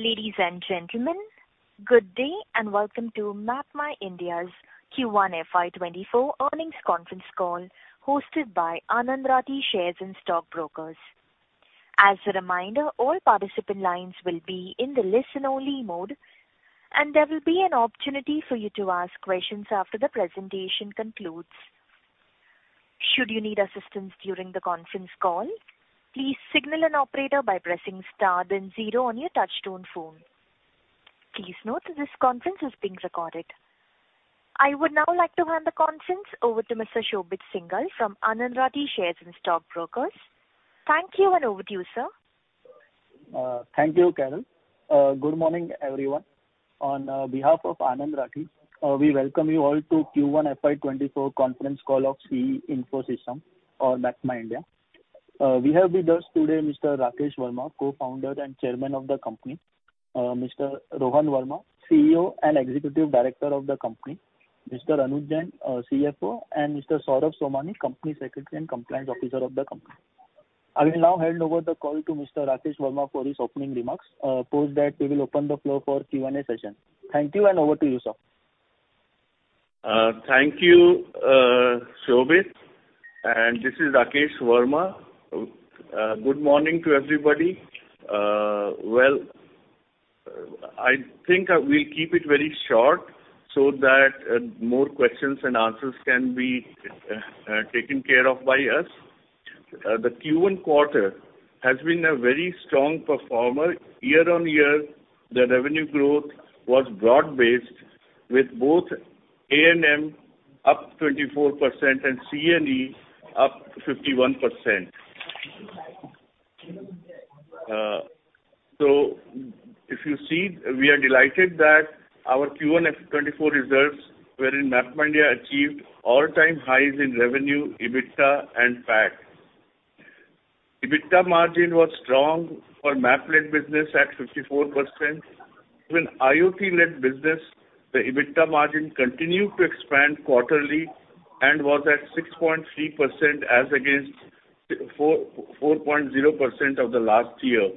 Ladies and gentlemen, good day, welcome to MapmyIndia's Q1 FY 2024 earnings conference call, hosted by Anand Rathi Shares and Stock Brokers. As a reminder, all participant lines will be in the listen-only mode, and there will be an opportunity for you to ask questions after the presentation concludes. Should you need assistance during the conference call, please signal an operator by pressing star then zero on your touchtone phone. Please note that this conference is being recorded. I would now like to hand the conference over to Mr. Shobit Singhal from Anand Rathi Shares and Stock Brokers. Thank you, and over to you, sir. Thank you, Carol. Good morning, everyone. On behalf of Anand Rathi, we welcome you all to Q1 FY 2024 conference call of C.E. Info Systems or MapmyIndia. We have with us today Mr. Rakesh Verma, Co-founder and Chairman of the company, Mr. Rohan Verma, CEO and Executive Director of the company, Mr. Anuj Jain, CFO, and Mr. Saurabh Somani, Company Secretary and Compliance Officer of the company. I will now hand over the call to Mr. Rakesh Verma for his opening remarks. Post that, we will open the floor for Q&A session. Thank you, and over to you, sir. Thank you, Shobit, and this is Rakesh Verma. Good morning to everybody. Well, I think I will keep it very short so that more questions and answers can be taken care of by us. The Q1 quarter has been a very strong performer. Year-on-year, the revenue growth was broad-based, with both A&M up 24% and C&E up 51%. If you see, we are delighted that our Q1 FY 2024 results wherein MapmyIndia achieved all-time highs in revenue, EBITDA and PAT. EBITDA margin was strong for Mappls business at 54%. Even IoT-led business, the EBITDA margin continued to expand quarterly and was at 6.3%, as against 4.0% of the last year.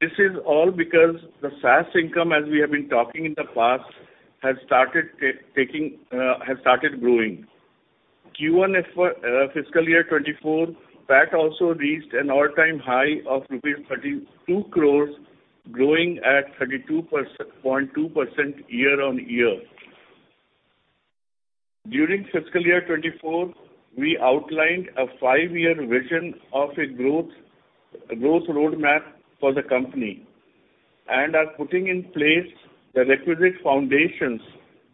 This is all because the SaaS income, as we have been talking in the past, has started taking, has started growing. Q1 FY 2024, PAT also reached an all-time high of rupees 32 crore, growing at 32.2% year-on-year. During fiscal year 2024, we outlined a 5-year vision of a growth, growth roadmap for the company and are putting in place the requisite foundations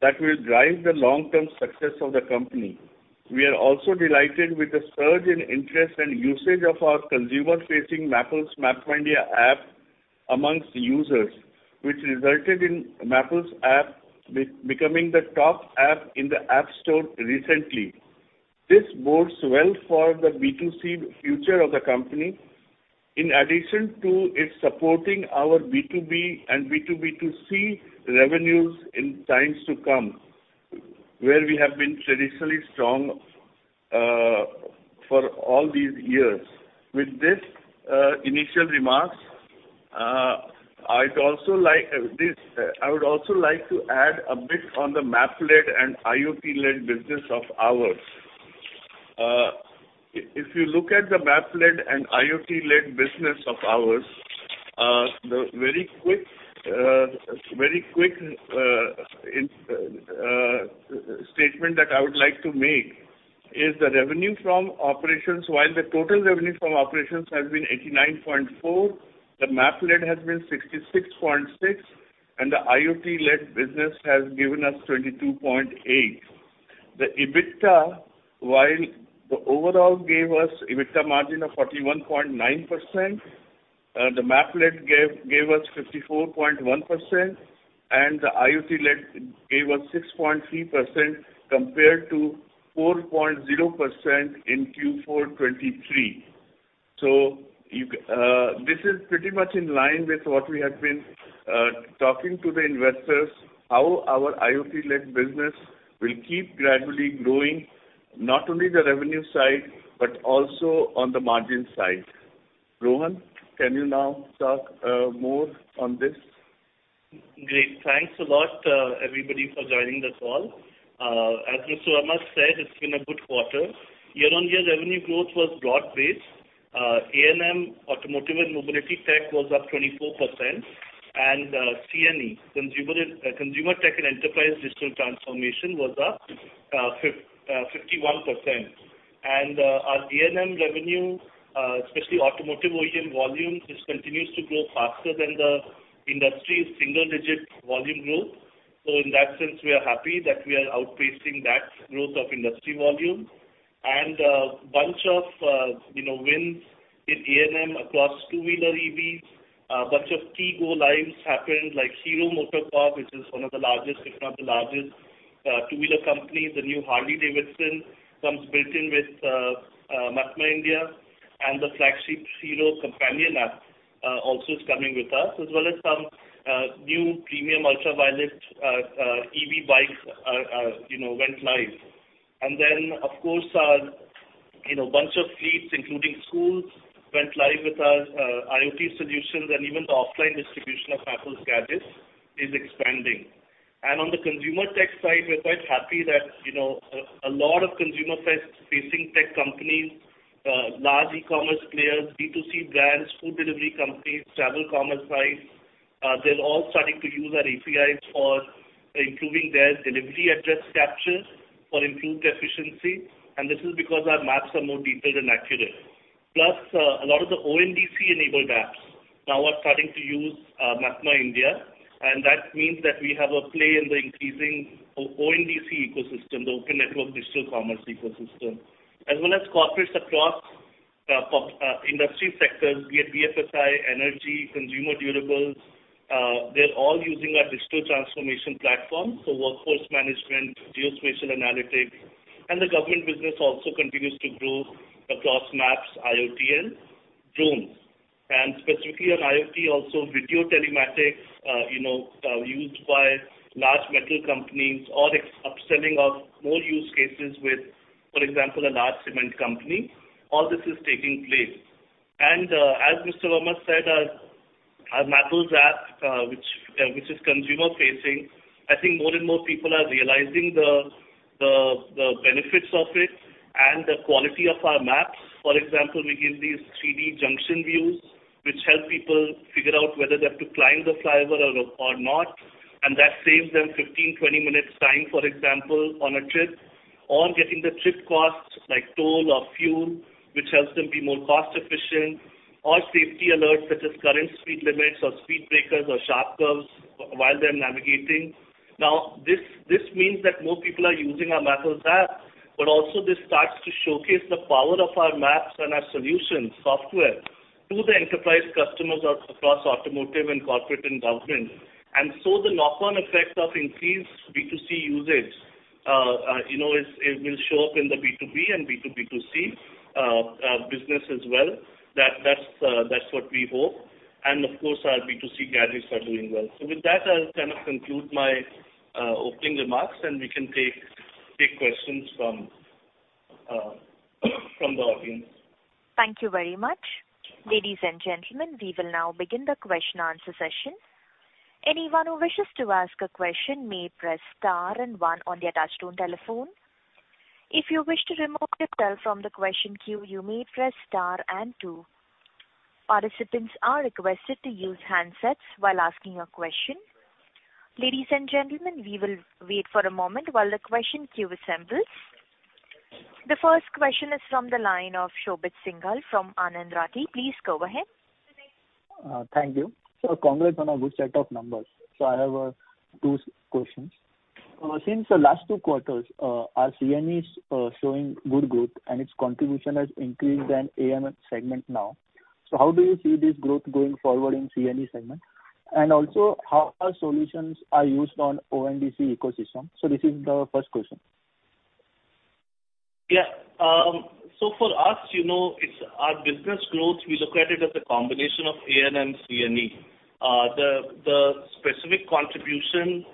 that will drive the long-term success of the company. We are also delighted with the surge in interest and usage of our consumer-facing Mappls MapmyIndia app amongst users, which resulted in c becoming the top app in the App Store recently. This bodes well for the B2C future of the company, in addition to it supporting our B2B and B2B2C revenues in times to come, where we have been traditionally strong, for all these years. With this, initial remarks, I would also like to add a bit on the Mappls and IoT-led business of ours. If you look at the Mappls and IoT-led business of ours, the very quick statement that I would like to make is the revenue from operations, while the total revenue from operations has been 89.4, the Mappls has been 66.6, and the IoT-led business has given us 22.8. The EBITDA, while the overall gave us EBITDA margin of 41.9%, the Mappls gave, gave us 54.1%, and the IoT-led gave us 6.3%, compared to 4.0% in Q4 2023. You, this is pretty much in line with what we have been, talking to the investors, how our IoT-led business will keep gradually growing, not only the revenue side, but also on the margin side. Rohan, can you now talk, more on this? Great. Thanks a lot, everybody, for joining the call. As Mr. Verma said, it's been a good quarter. Year-on-year revenue growth was broad-based. A&M, Automotive and Mobility Tech, was up 24%, and C&E, Consumer Tech and Enterprise Digital Transformation, was up 51%. Our A&M revenue, especially automotive OEM volume, this continues to grow faster than the industry's single-digit volume growth. In that sense, we are happy that we are out pacing that growth of industry volume. Bunch of, you know, wins in A&M across two-wheeler EVs. Bunch of key go lives happened, like Hero MotoCorp, which is one of the largest, if not the largest, two-wheeler company. The new Harley-Davidson comes built in with MapmyIndia, and the flagship Hero companion app also is coming with us, as well as some new premium Ultraviolette EV bikes, you know, went live. Then, of course, our...... you know, bunch of fleets, including schools, went live with our IoT solutions, and even the offline distribution of Mappls Gadgets is expanding. On the consumer tech side, we're quite happy that, you know, a lot of consumer face-facing tech companies, large e-commerce players, B2C brands, food delivery companies, travel commerce guys, they're all starting to use our API for improving their delivery address capture for improved efficiency, and this is because our maps are more detailed and accurate. A lot of the ONDC-enabled apps now are starting to use MapmyIndia, and that means that we have a play in the increasing ONDC ecosystem, the Open Network Digital Commerce ecosystem. As well as corporates across industry sectors, be it BFSI, energy, consumer durables, they're all using our digital transformation platform for workforce management, geospatial analytics. The government business also continues to grow across maps, IoT, and drones. Specifically on IoT, also video telematics, you know, used by large metal companies or upselling of more use cases with, for example, a large cement company. All this is taking place. As Mr. Verma said, our Mappls App, which is consumer-facing, I think more and more people are realizing the benefits of it and the quality of our maps. For example, we give these 3D junction views, which help people figure out whether they have to climb the flyover or not, and that saves them 15, 20 minutes time, for example, on a trip. Or getting the trip costs, like toll or fuel, which helps them be more cost efficient, or safety alerts, such as current speed limits or speed breakers or sharp curves while they're navigating. Now, this means that more people are using our Mappls App, but also this starts to showcase the power of our maps and our solutions, software, to the enterprise customers across automotive and corporate and government. So the knock-on effect of increased B2C usage, you know, is, it will show up in the B2B and B2B2C business as well. That, that's, that's what we hope. Of course, our B2C gadgets are doing well. With that, I'll kind of conclude my opening remarks, and we can take questions from from the audience. Thank you very much. Ladies and gentlemen, we will now begin the question and answer session. Anyone who wishes to ask a question may press star and one on their touchtone telephone. If you wish to remove yourself from the question queue, you may press star and two. Participants are requested to use handsets while asking a question. Ladies and gentlemen, we will wait for a moment while the question queue assembles. The first question is from the line of Shobit Singhal from Anand Rathi. Please go ahead. Thank you. Congrats on a good set of numbers. I have 2 questions. Since the last two quarters, our C&E is showing good growth, and its contribution has increased than A&M segment now. How do you see this growth going forward in C&E segment? Also, how our solutions are used on ONDC ecosystem? This is the first question. Yeah, for us, you know, it's our business growth, we look at it as a combination of A&M and C&E. The specific contribution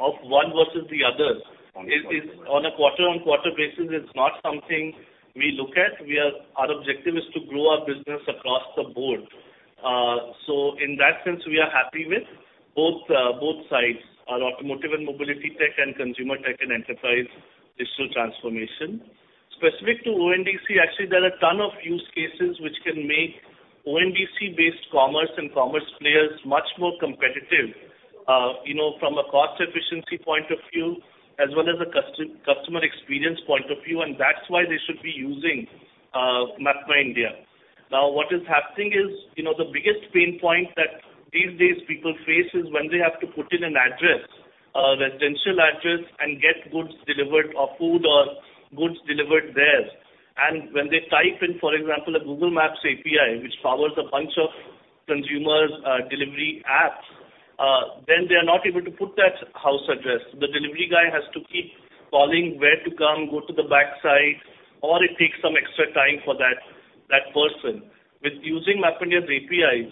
of one versus the others is, is on a quarter-on-quarter basis, is not something we look at. Our objective is to grow our business across the board. In that sense, we are happy with both, both sides, our Automotive and Mobility Tech and Consumer Tech and Enterprise Digital Transformation. Specific to ONDC, actually, there are a ton of use cases which can make ONDC-based commerce and commerce players much more competitive, you know, from a cost efficiency point of view, as well as a customer experience point of view, and that's why they should be using, MapmyIndia. Now, what is happening is, you know, the biggest pain point that these days people face is when they have to put in an address, a residential address, and get goods delivered or food or goods delivered there. When they type in, for example, a Google Maps API, which powers a bunch of consumer's delivery apps, then they are not able to put that house address. The delivery guy has to keep calling, "Where to come? Go to the backside," or it takes some extra time for that, that person. With using MapmyIndia's APIs,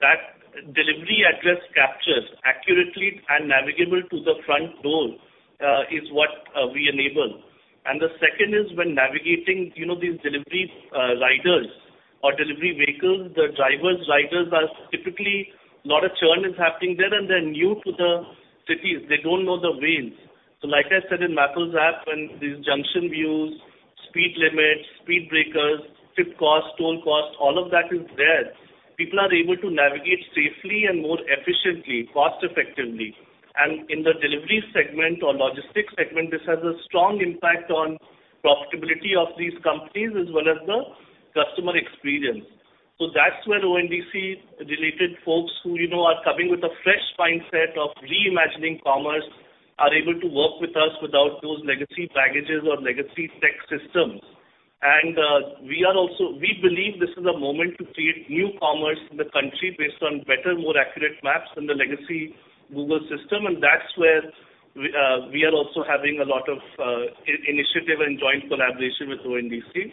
that delivery address captures accurately and navigable to the front door, is what we enable. The second is when navigating, you know, these delivery riders or delivery vehicles, the drivers, riders are typically, a lot of churn is happening there, and they're new to the cities. They don't know the lanes. Like I said, in Mappls App, when these junction views, speed limits, speed breakers, trip costs, toll costs, all of that is there. People are able to navigate safely and more efficiently, cost effectively. In the delivery segment or logistics segment, this has a strong impact on profitability of these companies as well as the customer experience. That's where ONDC-related folks who, you know, are coming with a fresh mindset of reimagining commerce, are able to work with us without those legacy baggages or legacy tech systems. We believe this is a moment to create new commerce in the country based on better, more accurate maps than the legacy Google system, and that's where we are also having a lot of initiative and joint collaboration with ONDC.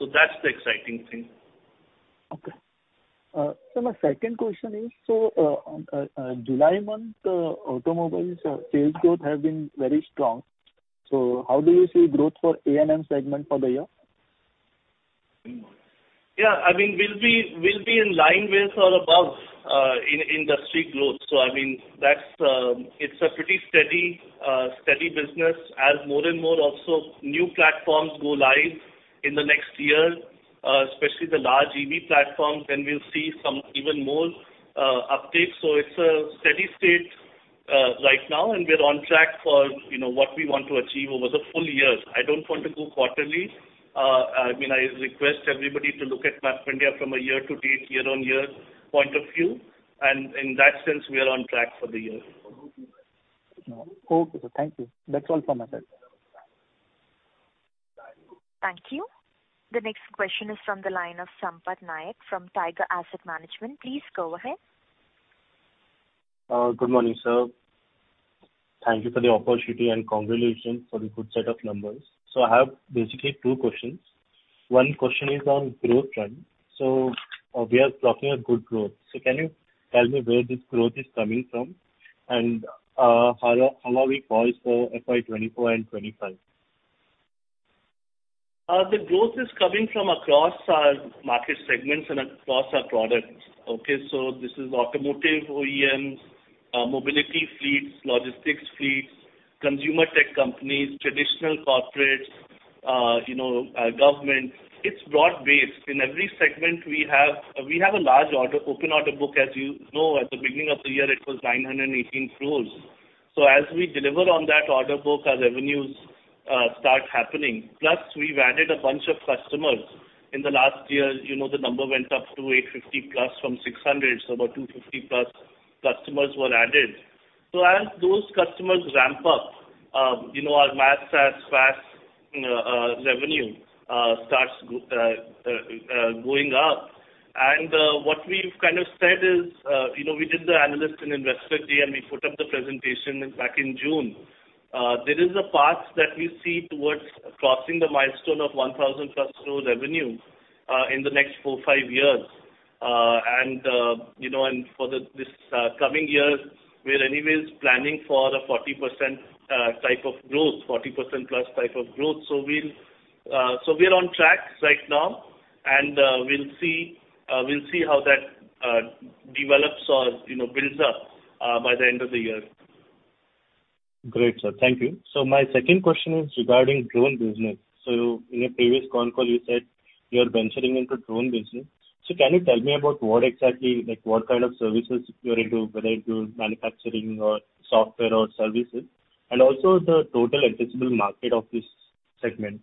That's the exciting thing. ...my second question is, on July month, automobiles sales growth have been very strong. How do you see growth for A&M segment for the year? Yeah, I mean, we'll be, we'll be in line with or above in industry growth. I mean, that's, it's a pretty steady, steady business. As more and more also new platforms go live in the next year, especially the large EV platforms, then we'll see some even more uptake. It's a steady state right now, and we're on track for, you know, what we want to achieve over the full years. I don't want to go quarterly. I mean, I request everybody to look at MapmyIndia from a year-to-date, year-on-year point of view, and in that sense, we are on track for the year. Okay, sir. Thank you. That's all from my side. Thank you. The next question is from the line of Sampath Nayak, from Tiger Asset Management. Please go ahead. Good morning, sir. Thank you for the opportunity and congratulations for the good set of numbers. I have basically two questions. One question is on growth trend. We are talking of good growth. Can you tell me where this growth is coming from, and how are we poised for FY 2024 and 2025? The growth is coming from across our market segments and across our products. Okay, this is automotive OEMs, mobility fleets, logistics fleets, consumer tech companies, traditional corporates, you know, government. It's broad-based. In every segment we have. We have a large order, open order book, as you know, at the beginning of the year it was 918 crore. As we deliver on that order book, our revenues start happening. Plus, we've added a bunch of customers. In the last year, you know, the number went up to 850+ from 600, so about 250+ customers were added. As those customers ramp up, you know, our MapSaaS, PaaS, revenue starts going up. What we've kind of said is, you know, we did the analyst and investor day, and we put up the presentation back in June. There is a path that we see towards crossing the milestone of 1,000+ crore revenue in the next 4-5 years. You know, and for the, this, coming years, we're anyways planning for a 40% type of growth, 40%+ type of growth. We'll, so we are on track right now, and we'll see, we'll see how that develops or, you know, builds up by the end of the year. Great, sir. Thank you. My second question is regarding drone business. In a previous call you said you are venturing into drone business. Can you tell me about what exactly, what kind of services you're into, whether into manufacturing or software or services, and also the total addressable market of this segment?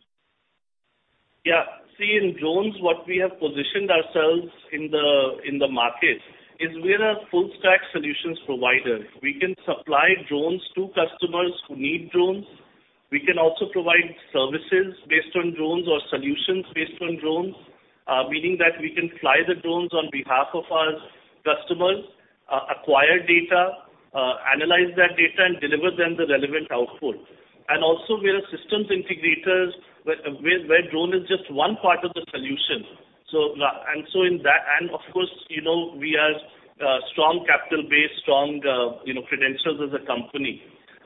Yeah. See, in drones, what we have positioned ourselves in the, in the market is we are a full stack solutions provider. We can supply drones to customers who need drones. We can also provide services based on drones or solutions based on drones, meaning that we can fly the drones on behalf of our customers, acquire data, analyze that data, and deliver them the relevant output. Also, we are systems integrators, where, where drone is just one part of the solution. Of course, you know, we are strong capital base, strong, you know, credentials as a company.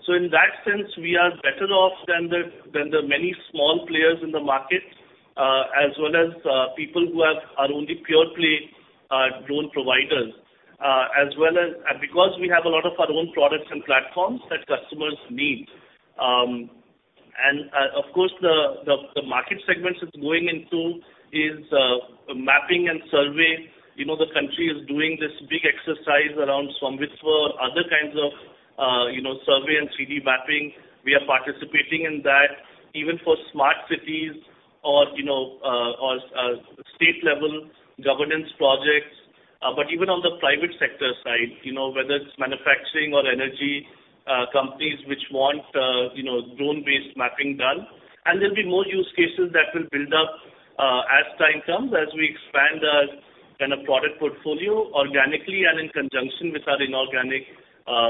So in that sense, we are better off than the, than the many small players in the market, as well as people who have, are only pure play, drone providers. As well as, and because we have a lot of our own products and platforms that customers need. Of course, the, the, the market segments it's going into is mapping and survey. You know, the country is doing this big exercise around SVAMITVA and other kinds of, you know, survey and 3D mapping. We are participating in that, even for smart cities or, you know, or state level governance projects. Even on the private sector side, you know, whether it's manufacturing or energy, companies which want, you know, drone-based mapping done. There'll be more use cases that will build up, as time comes, as we expand our, kind of, product portfolio organically and in conjunction with our inorganic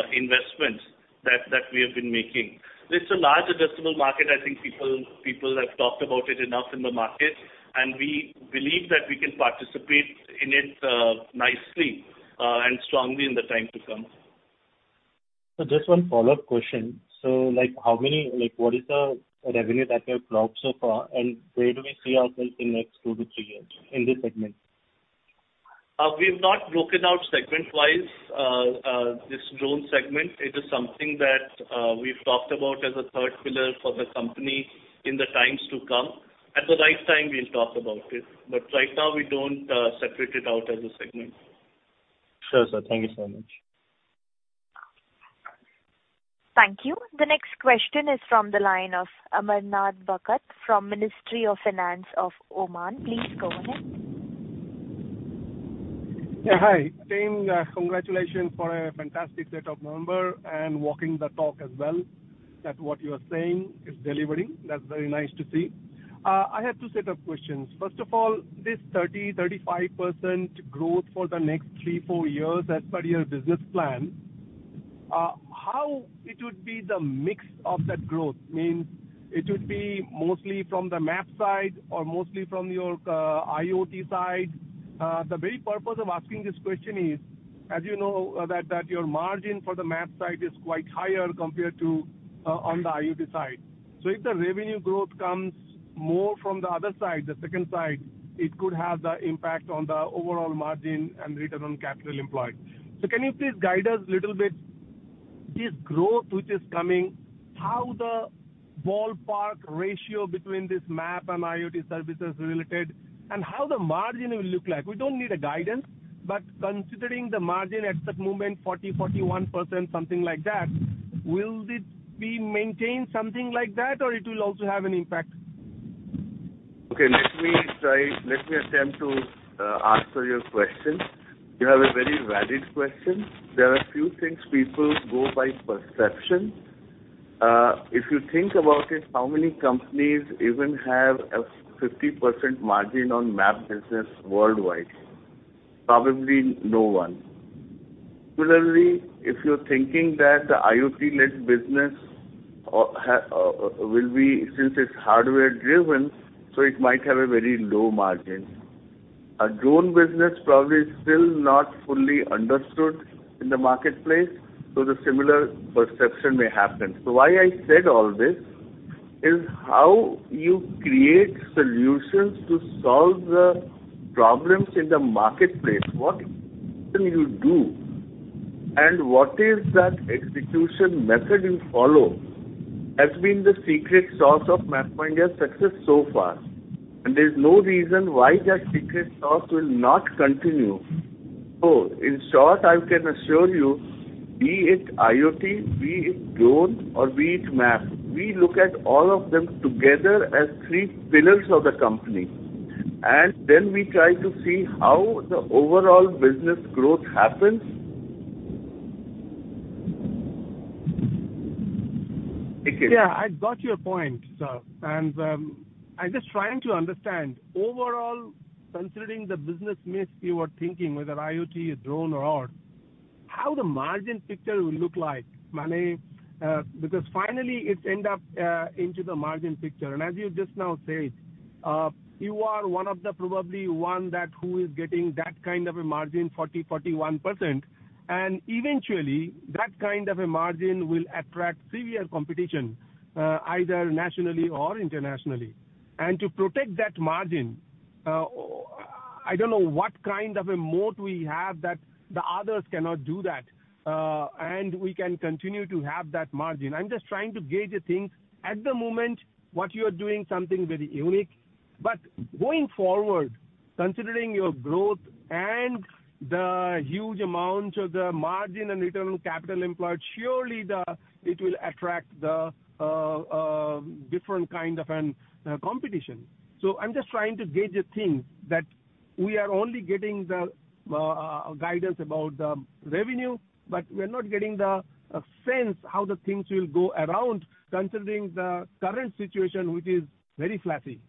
investments that, that we have been making. It's a large addressable market. I think people, people have talked about it enough in the market, and we believe that we can participate in it, nicely, and strongly in the time to come. Just 1 follow-up question. How many, what is the revenue that we have clocked so far, and where do we see ourselves in next 2-3 years in this segment? We've not broken out segment-wise, this drone segment. It is something that we've talked about as a third pillar for the company in the times to come. At the right time, we'll talk about it, but right now we don't separate it out as a segment. Sure, sir. Thank you so much. Thank you. The next question is from the line of Amarnath Bakut from Ministry of Finance of Oman. Please go ahead. Yeah, hi. Same, congratulations for a fantastic set of number and walking the talk as well, that what you are saying is delivering. That's very nice to see. I have 2 set of questions. First of all, this 30-35% growth for the next 3-4 years as per your business plan, how it would be the mix of that growth? Means, it would be mostly from the map side or mostly from your IoT side. The very purpose of asking this question is, as you know, that your margin for the map side is quite higher compared to on the IoT side. So if the revenue growth comes more from the other side, the second side, it could have the impact on the overall margin and return on capital employed. Can you please guide us a little bit, this growth which is coming, how the ballpark ratio between this map and IoT services related, and how the margin will look like? We don't need a guidance, but considering the margin at the moment, 40%-41%, something like that, will it be maintained something like that, or it will also have an impact? Okay, let me try-- let me attempt to answer your question. You have a very valid question. There are a few things, people go by perception. If you think about it, how many companies even have a 50% margin on map business worldwide? Probably no one. Similarly, if you're thinking that the IoT-led business will be, since it's hardware driven, so it might have a very low margin. A drone business probably is still not fully understood in the marketplace, so the similar perception may happen. So why I said all this, is how you create solutions to solve the problems in the marketplace, what you do, and what is that execution method you follow, has been the secret sauce of MapmyIndia's success so far. And there's no reason why that secret sauce will not continue. In short, I can assure you, be it IoT, be it drone, or be it map, we look at all of them together as three pillars of the company, and then we try to see how the overall business growth happens. Yeah, I got your point, sir. I'm just trying to understand, overall, considering the business mix you are thinking, whether IoT, drone or all, how the margin picture will look like? I mean, because finally it end up into the margin picture. As you just now said, you are one of the probably one that who is getting that kind of a margin, 40%-41%. Eventually, that kind of a margin will attract serious competition, either nationally or internationally. To protect that margin, I don't know what kind of a moat we have that the others cannot do that, and we can continue to have that margin. I'm just trying to gauge the things. At the moment, what you are doing, something very unique. Going forward, considering your growth and the huge amounts of the margin and return on capital employed, surely it will attract the different kind of an competition. I'm just trying to gauge the thing, that we are only getting the guidance about the revenue, but we are not getting a sense how the things will go around, considering the current situation, which is very fluffy.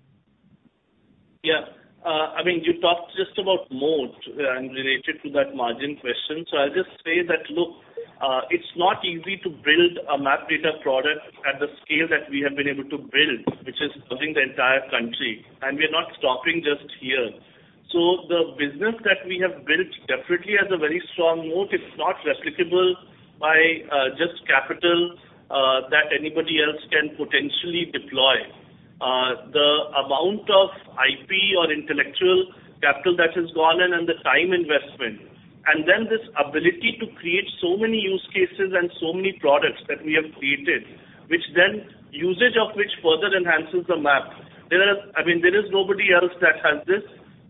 Yeah. I mean, you talked just about moat and related to that margin question. I'll just say that, look, it's not easy to build a map data product at the scale that we have been able to build, which is covering the entire country, and we are not stopping just here. The business that we have built definitely has a very strong moat. It's not replicable by just capital that anybody else can potentially deploy. The amount of IP or intellectual capital that has gone in and the time investment, and then this ability to create so many use cases and so many products that we have created, which then usage of which further enhances the map. I mean, there is nobody else that has this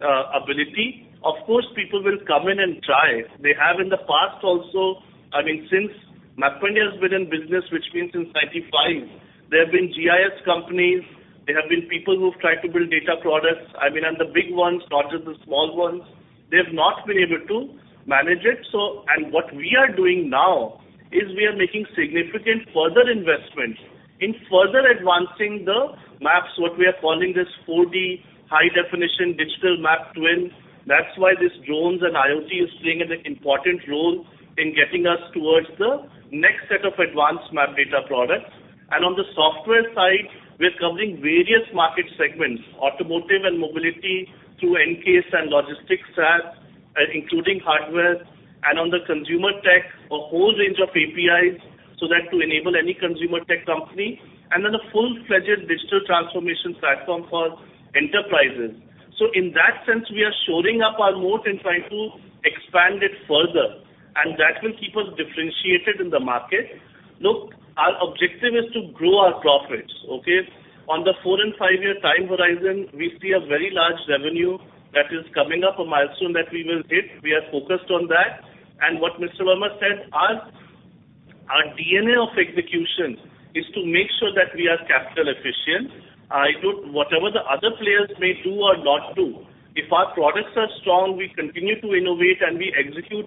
ability. Of course, people will come in and try. They have in the past also. I mean, since MapmyIndia has been in business, which means since 95, there have been GIS companies, there have been people who've tried to build data products. I mean, and the big ones, not just the small ones, they have not been able to manage it. What we are doing now, is we are making significant further investments in further advancing the maps, what we are calling this 4D HD Digital Map Twin. That's why this drones and IoT is playing an important role in getting us towards the next set of advanced map data products. On the software side, we are covering various market segments, Automotive and Mobility, through N-CASE and logistics SaaS, including hardware and on the Consumer Tech, a whole range of APIs, so that to enable any consumer tech company, and then a full-fledged digital transformation platform for enterprises. In that sense, we are shoring up our moat and trying to expand it further, and that will keep us differentiated in the market. Look, our objective is to grow our profits, okay. On the 4 and 5-year time horizon, we see a very large revenue that is coming up, a milestone that we will hit. We are focused on that. What Mr. Verma said, our DNA of execution is to make sure that we are capital efficient. It would-- whatever the other players may do or not do, if our products are strong, we continue to innovate and we execute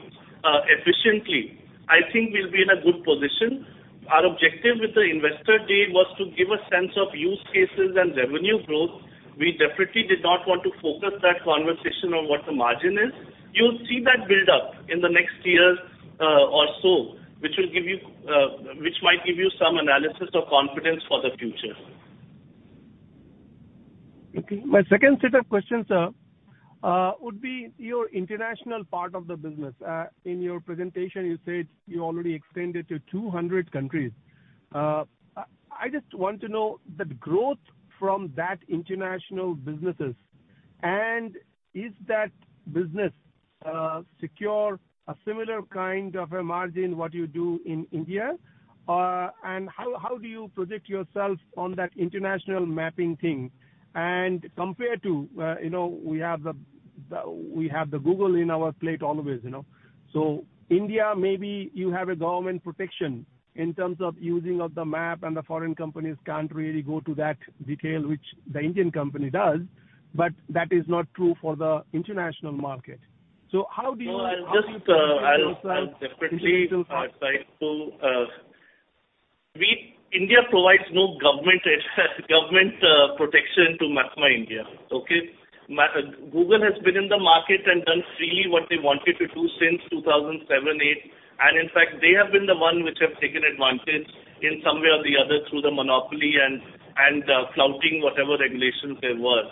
efficiently, I think we'll be in a good position. Our objective with the investor day was to give a sense of use cases and revenue growth. We definitely did not want to focus that conversation on what the margin is. You'll see that build up in the next year or so, which will give you which might give you some analysis or confidence for the future. Okay. My second set of questions, sir, would be your international part of the business. In your presentation, you said you already extended to 200 countries. I, I just want to know the growth from that international businesses, and is that business secure a similar kind of a margin, what you do in India? How, how do you project yourself on that international mapping thing? Compared to, you know, we have the, the, we have the Google in our plate always, you know. India, maybe you have a government protection in terms of using of the map, and the foreign companies can't really go to that detail, which the Indian company does, but that is not true for the international market. How do you- No, I'll just, I'll, I'll definitely try to. India provides no government, government protection to MapmyIndia, okay? Google has been in the market and done freely what they wanted to do since 2007, 2008, and in fact, they have been the one which have taken advantage in some way or the other through the monopoly and, and, flouting whatever regulations there were.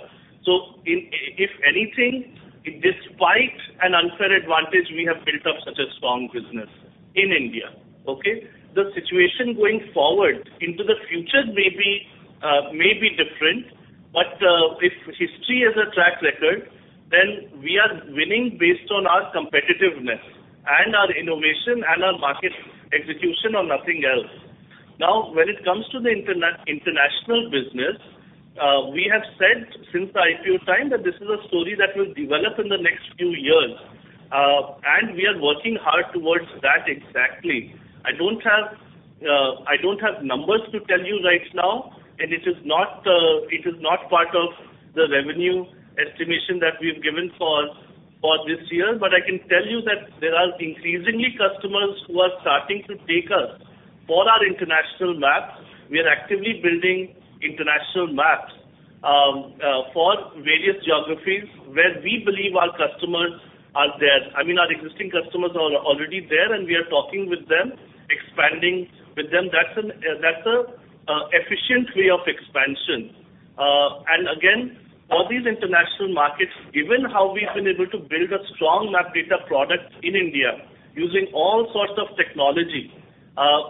In, if anything, despite an unfair advantage, we have built up such a strong business in India, okay? The situation going forward into the future may be, may be different, but, if history is a track record, then we are winning based on our competitiveness and our innovation and our market execution or nothing else. Now, when it comes to the international business, we have said since the IPO time, that this is a story that will develop in the next few years, and we are working hard towards that exactly. I don't have, I don't have numbers to tell you right now, and it is not, it is not part of the revenue estimation that we've given for this year. I can tell you that there are increasingly customers who are starting to take us for our international maps. We are actively building international maps for various geographies where we believe our customers are there. I mean, our existing customers are already there, and we are talking with them, expanding with them. That's an, that's a efficient way of expansion. Again, all these international markets, given how we've been able to build a strong map data product in India using all sorts of technology,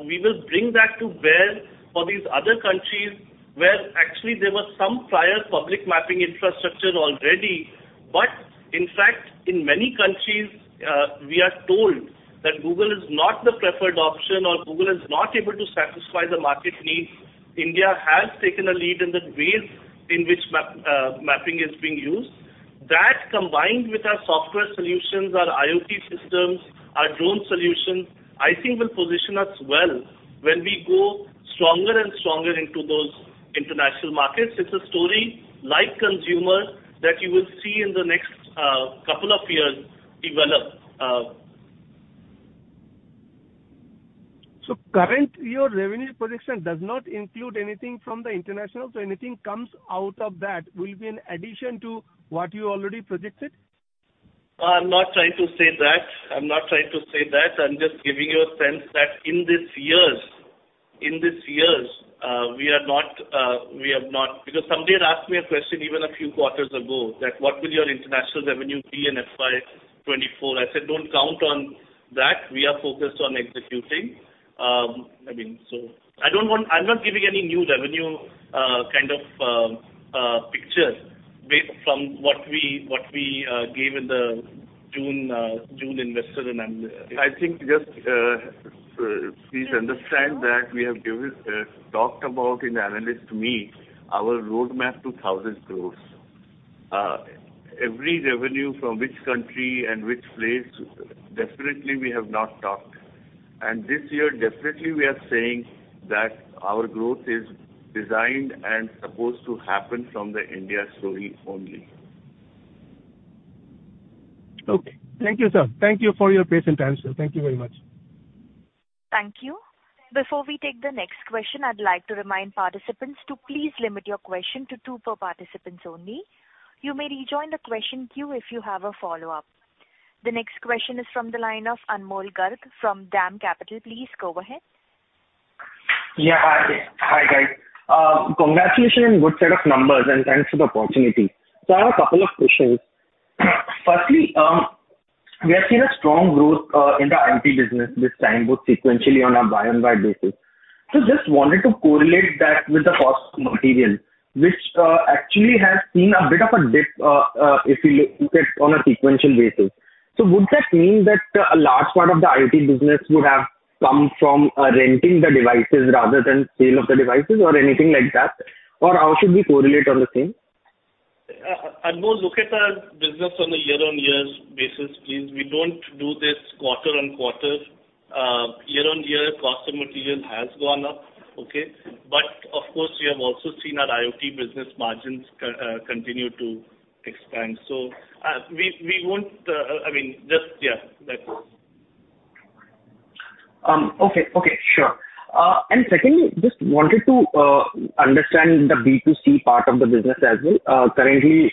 we will bring that to bear for these other countries, where actually there was some prior public mapping infrastructure already. In fact, in many countries, we are told that Google is not the preferred option or Google is not able to satisfy the market needs. India has taken a lead in the ways in which map, mapping is being used. That, combined with our software solutions, our IoT systems, our drone solutions, I think will position us well when we go stronger and stronger into those international markets. It's a story like consumer that you will see in the next couple of years develop. Current year revenue projection does not include anything from the international. Anything comes out of that will be an addition to what you already projected? I'm not trying to say that. I'm not trying to say that. I'm just giving you a sense that in this years, in this years, we are not, we have not. Somebody had asked me a question even a few quarters ago, that what will your international revenue be in FY 2024? I said, "Don't count on that. We are focused on executing." I mean, so I'm not giving any new revenue, kind of, picture from what we, what we, gave in the June, June investor and. I think just, please understand that we have given, talked about in analyst meet our roadmap to 1,000 crore. Every revenue from which country and which place, definitely we have not talked. This year, definitely we are saying that our growth is designed and supposed to happen from the India story only. Okay. Thank you, sir. Thank you for your patience and time, sir. Thank you very much. Thank you. Before we take the next question, I'd like to remind participants to please limit your question to two per participants only. You may rejoin the question queue if you have a follow-up. The next question is from the line of Anmol Garg from DAM Capital. Please go ahead. Yeah. Hi, hi, guys. congratulations on good set of numbers, and thanks for the opportunity. I have a couple of questions. Firstly, we have seen a strong growth in the IT business this time, both sequentially on a year-over-year basis. Just wanted to correlate that with the cost of materials, which actually has seen a bit of a dip if you look at on a sequential basis. Would that mean that a large part of the IT business would have come from renting the devices rather than sale of the devices or anything like that? How should we correlate on the same? Anmol, look at our business on a year-on-year basis, please. We don't do this quarter-on-quarter. Year-on-year, cost of material has gone up, okay? ...Of course, we have also seen our IoT business margins c- continue to expand. We, we won't, I mean, just, yeah, that's it. Okay. Okay, sure. Secondly, just wanted to understand the B2C part of the business as well. Currently,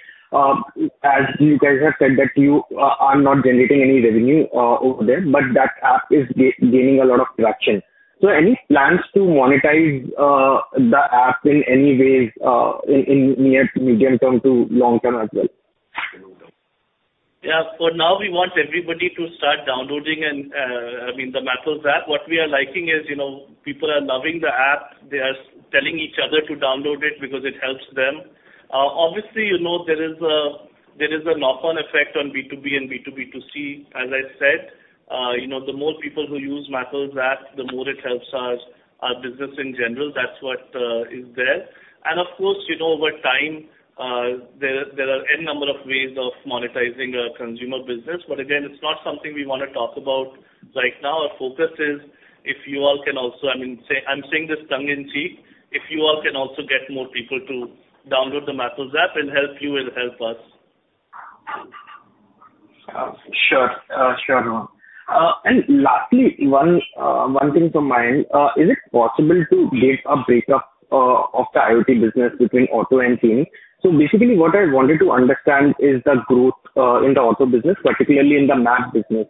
as you guys have said, that you are not generating any revenue over there, but that app is gaining a lot of traction. Any plans to monetize the app in any way in near medium-term to long-term as well? Yeah, for now, we want everybody to start downloading and, I mean, the Mappls App. What we are liking is, you know, people are loving the app. They are telling each other to download it because it helps them. Obviously, you know, there is a, there is a knock-on effect on B2B and B2B2C. As I said, you know, the more people who use Mappls App, the more it helps our, our business in general. That's what is there. Of course, you know, over time, there, there are n number of ways of monetizing a consumer business. Again, it's not something we wanna talk about right now. Our focus is, if you all can also... I mean, say, I'm saying this tongue in cheek, if you all can also get more people to download the Mappls App, it'll help you, it'll help us. Sure. Sure. Lastly, one thing from my end, is it possible to give a breakup of the IoT business between auto and team? Basically, what I wanted to understand is the growth in the auto business, particularly in the map business,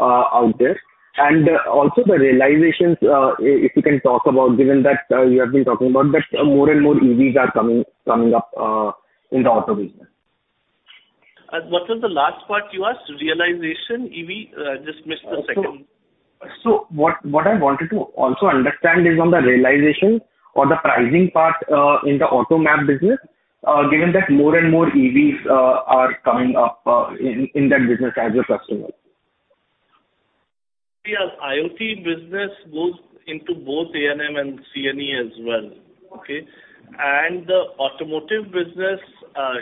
out there. Also the realizations, if you can talk about, given that you have been talking about, that more and more EVs are coming, coming up in the auto business. What was the last part you asked? Realization, EV, just missed the second. What, what I wanted to also understand is on the realization or the pricing part, in the auto map business, given that more and more EVs are coming up, in, in that business as your customer. Yeah, IoT business goes into both A&M and C&E as well, okay? The automotive business,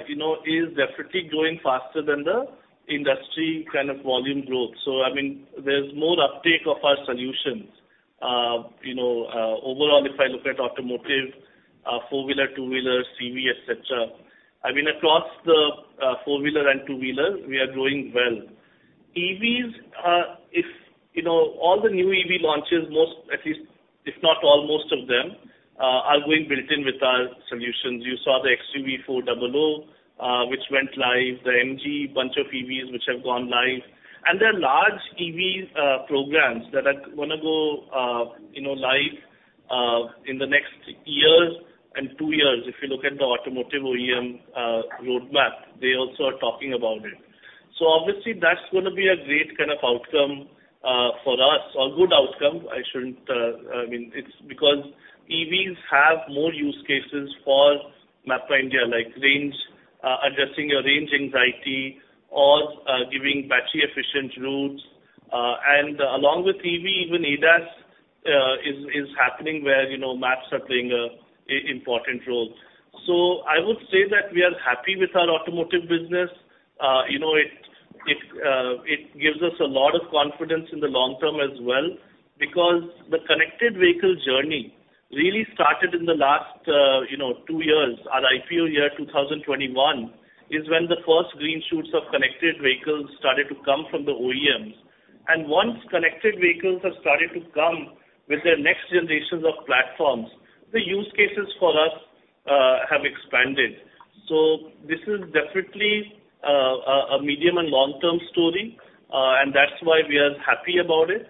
you know, is definitely growing faster than the industry kind of volume growth. I mean, there's more uptake of our solutions. You know, overall, if I look at automotive, four-wheeler, two-wheeler, CV, et cetera, I mean, across the four-wheeler and two-wheeler, we are growing well. EVs, if, you know, all the new EV launches, most, at least, if not all, most of them, are going built in with our solutions. You saw the XUV400, which went live, the MG bunch of EVs, which have gone live, and there are large EV programs that are gonna go, you know, live, in the next years and two years. If you look at the automotive OEM roadmap, they also are talking about it. Obviously, that's gonna be a great kind of outcome for us, or good outcome. I shouldn't, I mean, it's because EVs have more use cases for MapmyIndia, like range, addressing your range anxiety or giving battery efficient routes. Along with EV, even ADAS is happening where, you know, maps are playing a important role. I would say that we are happy with our automotive business. You know, it, it gives us a lot of confidence in the long term as well, because the connected vehicle journey really started in the last, you know, 2 years. Our IPO year, 2021, is when the first green shoots of connected vehicles started to come from the OEMs. Once connected vehicles have started to come with their next generations of platforms, the use cases for us have expanded. This is definitely a medium and long-term story, and that's why we are happy about it.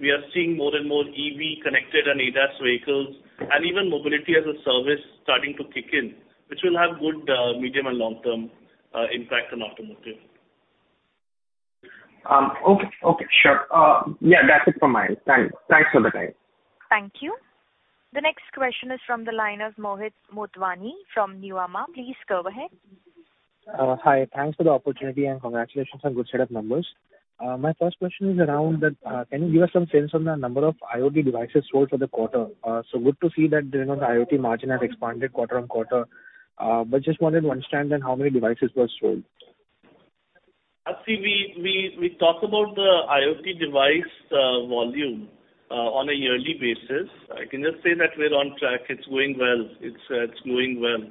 We are seeing more and more EV connected and ADAS vehicles, and even mobility as a service starting to kick in, which will have good medium and long-term impact on automotive. Okay. Okay, sure. Yeah, that's it from my end. Thank, thanks for the time. Thank you. The next question is from the line of Mohit Motwani from Nuvama. Please go ahead. Hi. Thanks for the opportunity, and congratulations on good set of numbers. My first question is around that, can you give us some sense on the number of IoT devices sold for the quarter? So good to see that, you know, the IoT margin has expanded quarter-on-quarter, but just wanted to understand then how many devices were sold. See, we, we, we talk about the IoT device, volume, on a yearly basis. I can just say that we're on track. It's going well. It's going well,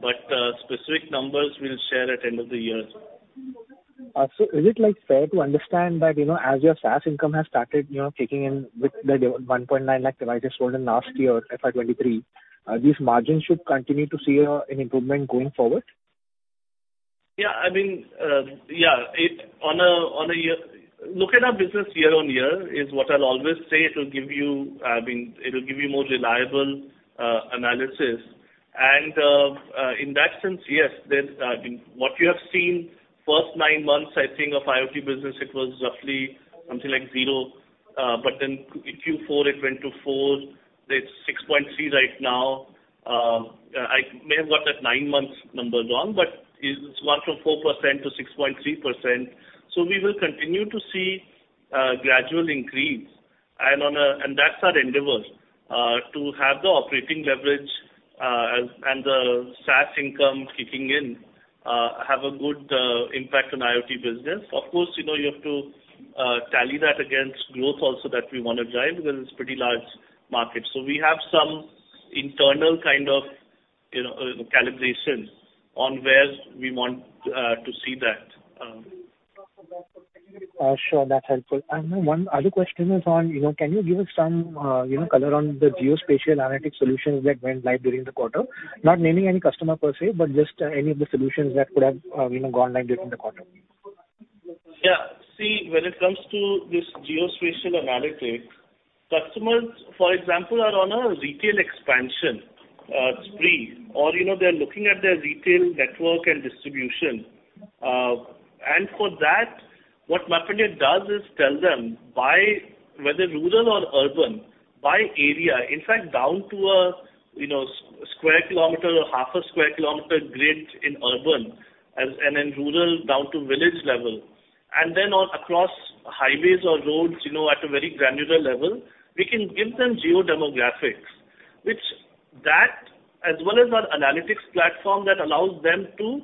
but specific numbers we'll share at end of the year. So is it, like, fair to understand that, you know, as your SaaS income has started, you know, kicking in with the 1.9 lakh devices sold in last year, FY 2023, these margins should continue to see an improvement going forward? Yeah, I mean, yeah. Look at our business year-on-year, is what I'll always say. It'll give you, I mean, it'll give you more reliable analysis. In that sense, yes, there's, I mean, what you have seen first 9 months, I think, of IoT business, it was roughly something like 0, but then in Q4, it went to 4. It's 6.3 right now. I may have got that 9 months number wrong, but it's gone from 4% to 6.3%. We will continue to see gradual increase. That's our endeavor to have the operating leverage, and the SaaS income kicking in, have a good impact on IoT business. Of course, you know, you have to. tally that against growth also that we wanna drive, because it's pretty large market. We have some internal kind of, you know, calibrations on where we want to see that. Sure, that's helpful. One other question is on, you know, can you give us some, you know, color on the geospatial analytics solutions that went live during the quarter? Not naming any customer per se, but just, you know, any of the solutions that could have, you know, gone live during the quarter. Yeah. See, when it comes to this geospatial analytics, customers, for example, are on a retail expansion spree, or, you know, they're looking at their retail network and distribution. For that, what MapmyIndia does is tell them by whether rural or urban, by area, in fact, down to a square kilometer or half a square kilometer grid in urban, as and in rural, down to village level, and then on across highways or roads, you know, at a very granular level, we can give them geo-demographics. Which that, as well as our analytics platform, that allows them to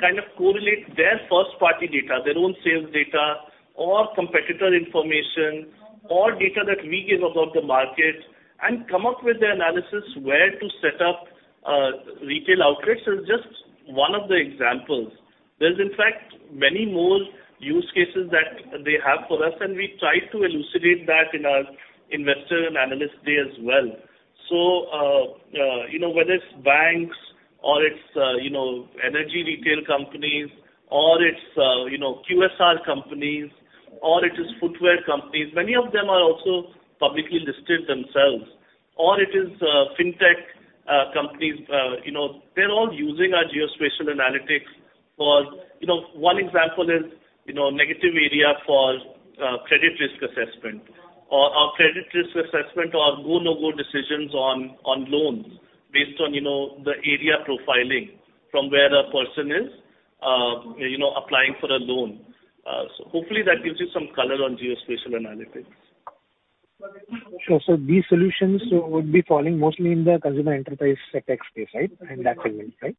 kind of correlate their first-party data, their own sales data or competitor information, or data that we give about the market, and come up with the analysis where to set up retail outlets is just one of the examples. There's in fact many more use cases that they have for us, and we try to elucidate that in our investor and analyst day as well. Whether it's banks or it's, you know, energy retail companies, or it's, you know, QSR companies, or it is footwear companies, many of them are also publicly listed themselves, or it is fintech companies, you know, they're all using our geospatial analytics for. You know, one example is, you know, negative area for credit risk assessment or our credit risk assessment or our go, no-go decisions on, on loans based on, you know, the area profiling from where a person is, you know, applying for a loan. Hopefully that gives you some color on geospatial analytics. Sure. These solutions would be falling mostly in the consumer enterprise tech space, right? In that segment, right?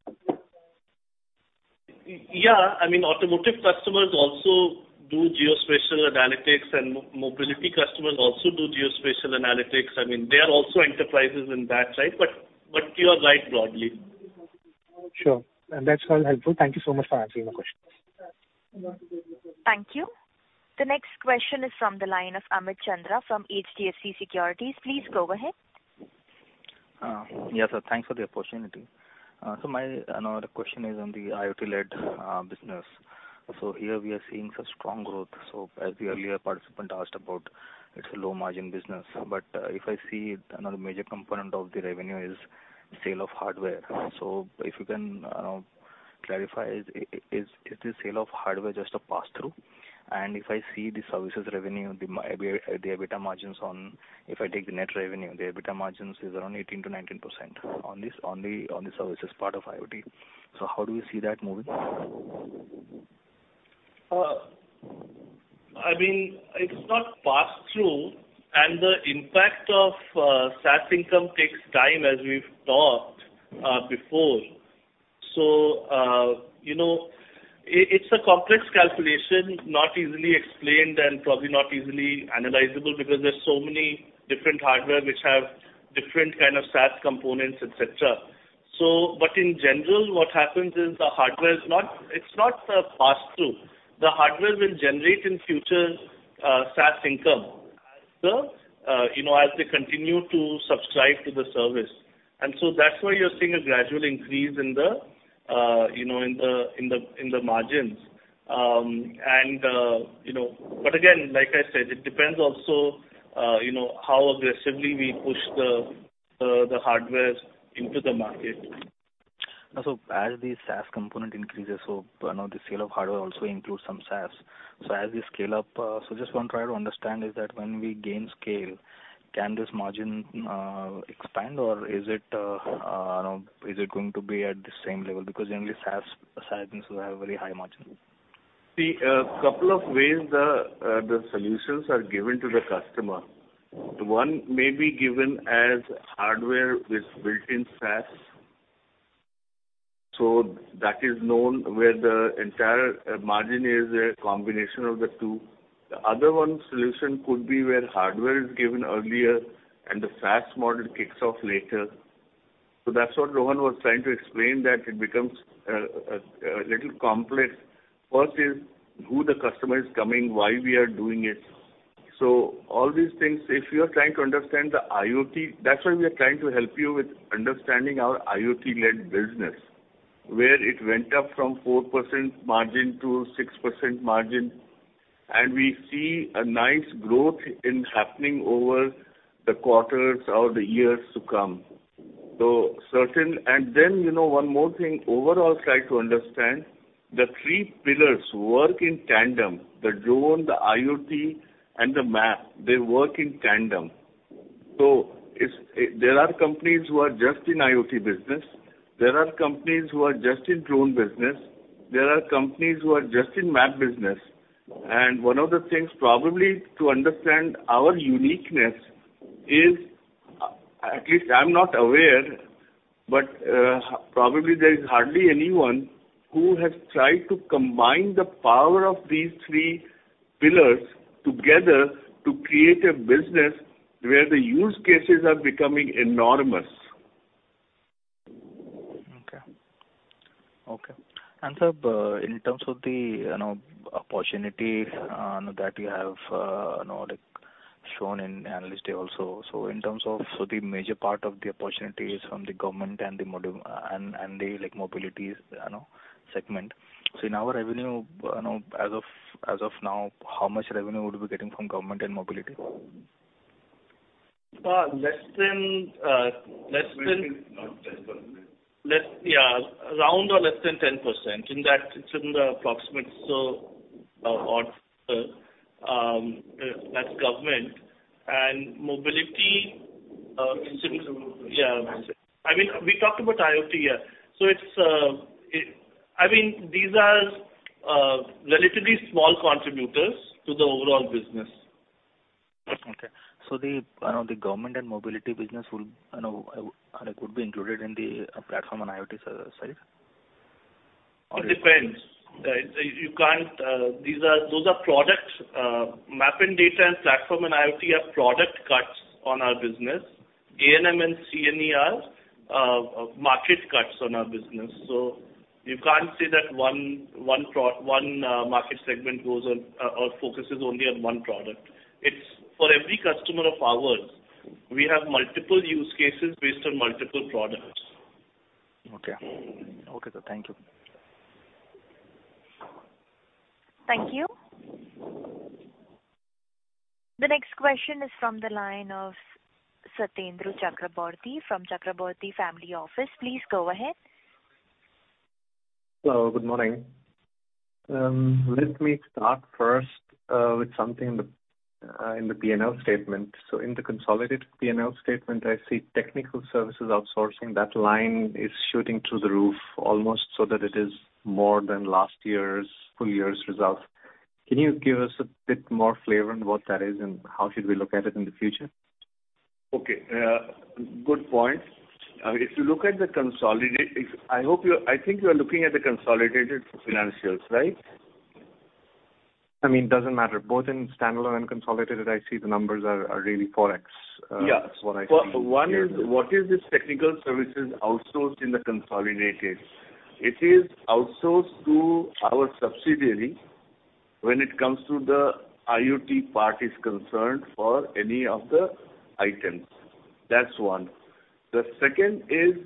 Yeah. I mean, automotive customers also do geospatial analytics, and mobility customers also do geospatial analytics. I mean, they are also enterprises in that, right? You are right, broadly. Sure. That's all helpful. Thank you so much for answering my questions. Thank you. The next question is from the line of Amit Chandra from HDFC Securities. Please go ahead. Yes, sir. Thanks for the opportunity. My, another question is on the IoT-led business. Here we are seeing some strong growth. If I see another major component of the revenue is sale of hardware. If you can clarify, is the sale of hardware just a pass-through? If I see the services revenue, the EBITDA margins on... If I take the net revenue, the EBITDA margins is around 18%-19% on this, on the, on the services part of IoT. How do you see that moving? I mean, it's not pass-through, and the impact of SaaS income takes time, as we've talked before. You know, it's a complex calculation, not easily explained and probably not easily analyzable, because there's so many different hardware which have different kind of SaaS components, et cetera. In general, what happens is the hardware is not-- it's not a pass-through. The hardware will generate in future, SaaS income, as the, you know, as they continue to subscribe to the service. That's why you're seeing a gradual increase in the, you know, in the, in the, in the margins. You know... again, like I said, it depends also, you know, how aggressively we push the hardwares into the market. As the SaaS component increases, you know, the sale of hardware also includes some SaaS. As we scale up, just want to try to understand is that when we gain scale, can this margin expand, or is it, you know, is it going to be at the same level? Because generally, SaaS assignments will have very high margins. See, a couple of ways the solutions are given to the customer. One may be given as hardware with built-in SaaS, so that is known where the entire margin is a combination of the 2. The other one solution could be where hardware is given earlier and the SaaS model kicks off later. That's what Rohan was trying to explain, that it becomes a little complex. First is, who the customer is coming, why we are doing it? All these things, if you are trying to understand the IoT... That's why we are trying to help you with understanding our IoT-led business, where it went up from 4% margin to 6% margin, and we see a nice growth in happening over the quarters or the years to come. Certain-- Then, you know, one more thing, overall, try to understand the three pillars work in tandem, the drone, the IoT, and the map. They work in tandem. It's, there are companies who are just in IoT business, there are companies who are just in drone business, there are companies who are just in map business. One of the things probably to understand our uniqueness is... at least I'm not aware, but, probably there is hardly anyone who has tried to combine the power of these three pillars together to create a business where the use cases are becoming enormous. Okay. Okay. Sir, in terms of the, you know, opportunity, that you have, you know, like, shown in Analyst Day also. In terms of, the major part of the opportunity is from the government and the mobility, you know, segment. In our revenue, you know, as of, as of now, how much revenue would we be getting from government and mobility? n that, it's in the approximate, so that's government and mobility. I mean, we talked about IoT, yeah. So it's, I mean, these are relatively small contributors to the overall business. Okay. the, I know the government and mobility business will, I know, could be included in the platform and IoT side? It depends. You, you can't, those are products. Map and data, and platform, and IoT are product cuts on our business. A&M and C&E are, market cuts on our business. You can't say that one market segment goes on or, or focuses only on one product. It's for every customer of ours, we have multiple use cases based on multiple products. Okay. Okay, sir, thank you. Thank you. The next question is from the line of Satadru Chakraborty from Chakraborty Family Office. Please go ahead. Hello, good morning. Let me start first with something in the P&L statement. In the consolidated P&L statement, I see technical services outsourcing, that line is shooting through the roof, almost so that it is more than last year's full year's results. Can you give us a bit more flavor on what that is, and how should we look at it in the future? Okay. Good point. If, I hope you're, I think you are looking at the consolidated financials, right? I mean, it doesn't matter. Both in standalone and consolidated, I see the numbers are really 4x. Yeah. That's what I see. One is, what is this technical services outsourced in the consolidated? It is outsourced to our subsidiary when it comes to the IoT part is concerned for any of the items. That's one. The second is,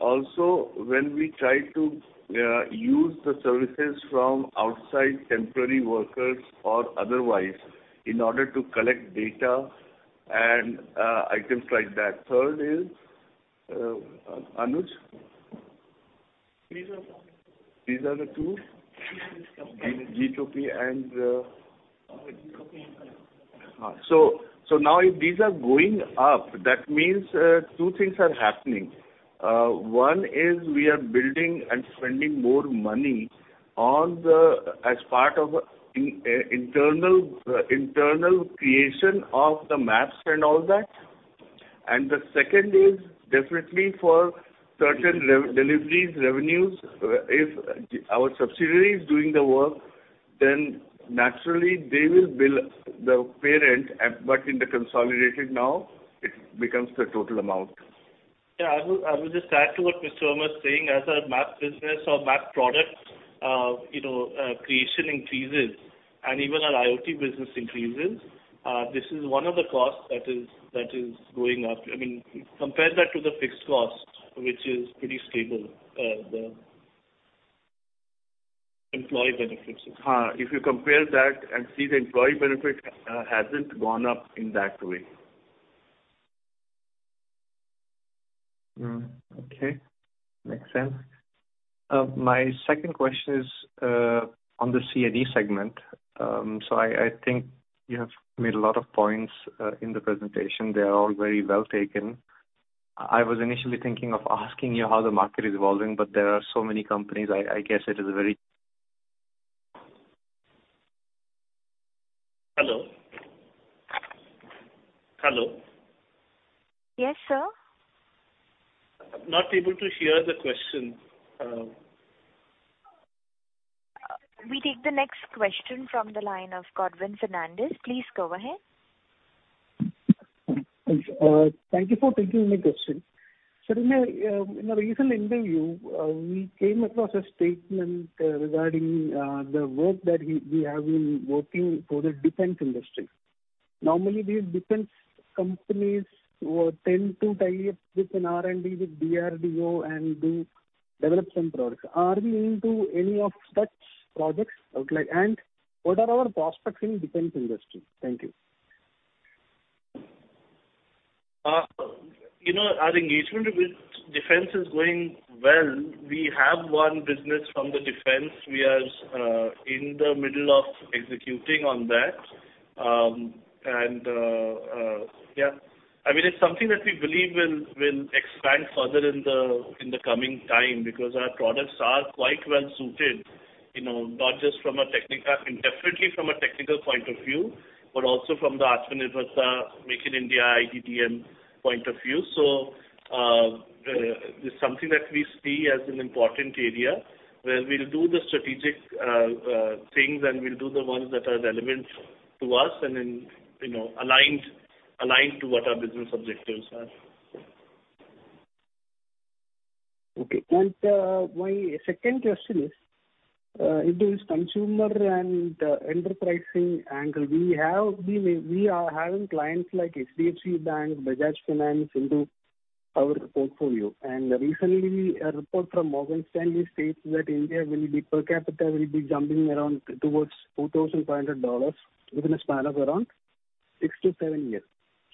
also when we try to use the services from outside temporary workers or otherwise, in order to collect data and items like that. Third is, Anuj? These are the two. These are the two? G2P. G2P and... G2P. Now if these are going up, that means two things are happening. One is we are building and spending more money on the, as part of in, internal, internal creation of the maps and all that. The second is definitely for certain lev- deliveries, revenues. If our subsidiary is doing the work, then naturally they will bill the parent, but in the consolidated now, it becomes the total amount. I will, I will just add to what Mr. Verma is saying. As our map business or map products, you know, creation increases and even our IoT business increases, this is one of the costs that is, that is going up. I mean, compare that to the fixed cost, which is pretty stable, the employee benefits. If you compare that and see the employee benefit hasn't gone up in that way. Okay. Makes sense. My second question is on the C&E segment. I, I think you have made a lot of points in the presentation. They are all very well taken. I was initially thinking of asking you how the market is evolving, there are so many companies, I, I guess it is a very- Hello? Hello. Yes, sir. Not able to hear the question. We take the next question from the line of Godwin Fernandez. Please go ahead. Thank you for taking my question. Sir, in a recent interview, we came across a statement regarding the work that we have been working for the defense industry. Normally, these defense companies would tend to tie up with an R&D, with DRDO and do development products. Are we into any of such projects like...? What are our prospects in defense industry? Thank you. You know, our engagement with Defence is going well. We have one business from the Defence. We are in the middle of executing on that. Yeah. I mean, it's something that we believe will, will expand further in the coming time, because our products are quite well suited-... you know, not just from a technical, and definitely from a technical point of view, but also from the Atmanirbhar, Make in India, IGDM point of view. This is something that we see as an important area, where we'll do the strategic things, and we'll do the ones that are relevant to us, and then, you know, aligned, aligned to what our business objectives are. Okay. My second question is, it is consumer and enterprising angle. We have clients like HDFC Bank, Bajaj Finance into our portfolio. Recently, a report from Morgan Stanley states that India per capita will be jumping around towards $2,500 within a span of around 6-7 years.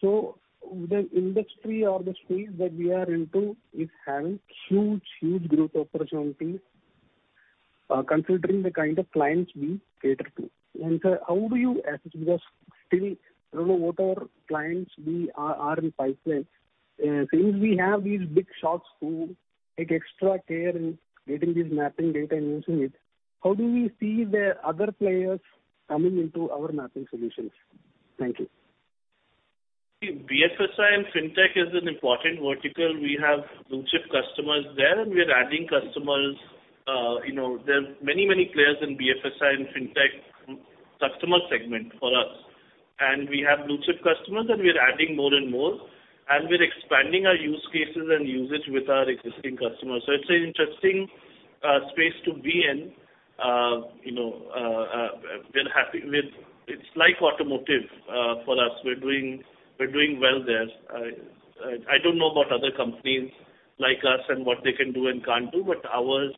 The industry or the space that we are into is having huge, huge growth opportunities, considering the kind of clients we cater to. Sir, how do you assess? Still, I don't know what our clients are in the pipeline. Since we have these big shots who take extra care in getting this mapping data and using it, how do we see the other players coming into our mapping solutions? Thank you. BFSI and Fintech is an important vertical. We have blue-chip customers there, and we are adding customers. You know, there are many, many players in BFSI and Fintech customer segment for us. We have blue-chip customers, and we are adding more and more, and we're expanding our use cases and usage with our existing customers. It's an interesting space to be in. You know, we're happy with... It's like automotive for us. We're doing, we're doing well there. I, I don't know about other companies like us and what they can do and can't do, but our,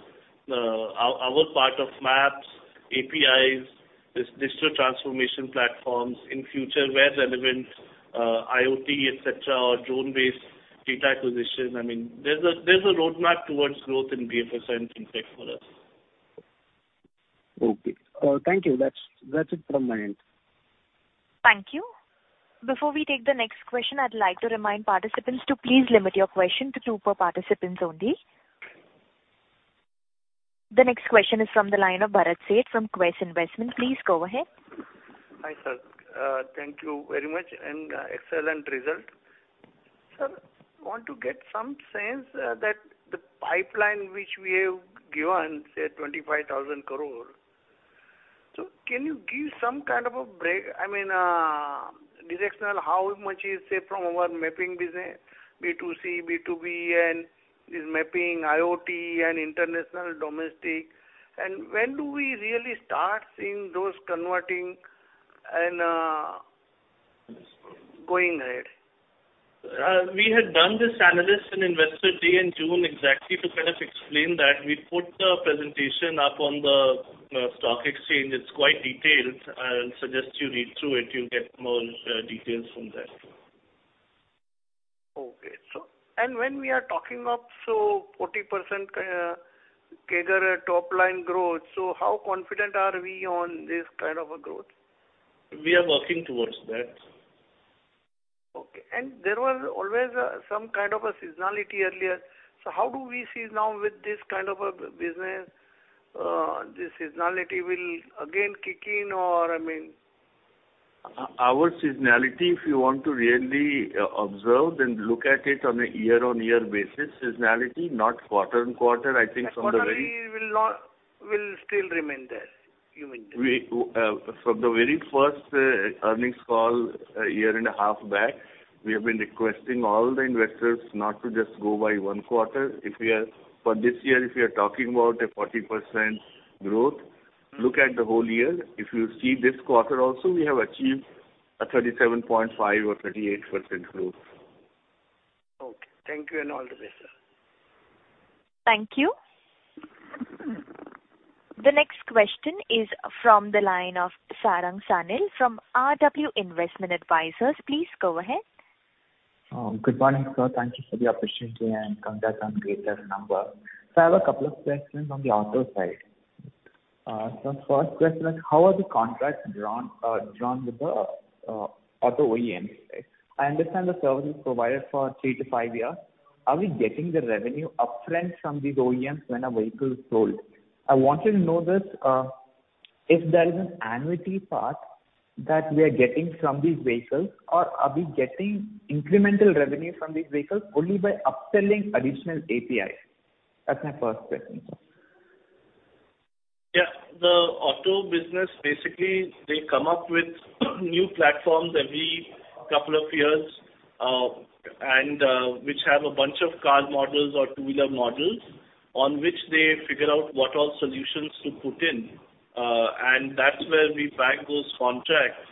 our, our part of maps, APIs, this digital transformation platforms in future, where relevant, IoT, et cetera, or drone-based data acquisition. I mean, there's a, there's a roadmap towards growth in BFSI and Fintech for us. Okay. Thank you. That's it from my end. Thank you. Before we take the next question, I'd like to remind participants to please limit your question to 2 per participant only. The next question is from the line of Bharat Sheth from Quest Investment. Please go ahead. Hi, sir. Thank you very much, excellent result. Sir, I want to get some sense that the pipeline which we have given, say, 25,000 crore. Can you give some kind of a break, I mean, directional, how much is, say, from our mapping business, B2C, B2B, and this mapping, IoT, and international, domestic? When do we really start seeing those converting and going ahead? We had done this analyst and investor day in June exactly to kind of explain that. We put the presentation up on the stock exchange. It's quite detailed. I'll suggest you read through it. You'll get more details from there. When we are talking of so 40%, CAGR top line growth, so how confident are we on this kind of a growth? We are working towards that. Okay. There was always some kind of a seasonality earlier. How do we see now with this kind of a business, the seasonality will again kick in, or, I mean? Our seasonality, if you want to really, observe, then look at it on a year-on-year basis. Seasonality, not quarter-on-quarter. I think from the very- Quarterly will still remain there, you mean? We from the very first earnings call, a year and a half back, we have been requesting all the investors not to just go by one quarter. For this year, if we are talking about a 40% growth, look at the whole year. If you see this quarter also, we have achieved a 37.5% or 38% growth. Okay. Thank you and all the best, sir. Thank you. The next question is from the line of Sarang Sanil from RW Investment Advisors. Please go ahead. Good morning, sir. Thank you for the opportunity and congrats on great number. I have a couple of questions on the auto side. First question is, how are the contracts drawn, drawn with the auto OEMs? I understand the service is provided for three to five years. Are we getting the revenue upfront from these OEMs when a vehicle is sold? I wanted to know this, if there is an annuity part that we are getting from these vehicles, or are we getting incremental revenue from these vehicles only by upselling additional APIs? That's my first question, sir. Yeah. The auto business, basically, they come up with new platforms every two years, and which have a bunch of car models or two-wheeler models, on which they figure out what all solutions to put in, and that's where we bag those contracts.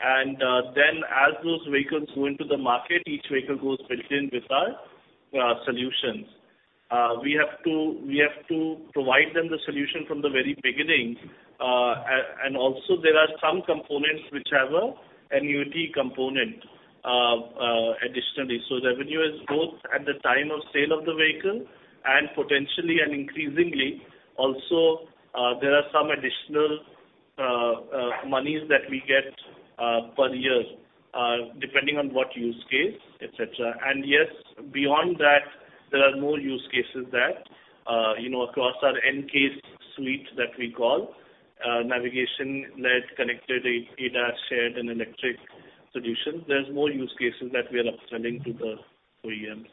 Then, as those vehicles go into the market, each vehicle goes built in with our solutions. We have to, we have to provide them the solution from the very beginning, and also there are some components which have a annuity component, additionally. Revenue is both at the time of sale of the vehicle and potentially and increasingly, also, there are some additional monies that we get per year, depending on what use case, et cetera. Yes, beyond that, there are more use cases that, you know, across our N-CASE suite that we call, navigation led, connected, ADAS, shared and electric solutions. There's more use cases that we are upselling to the OEMs.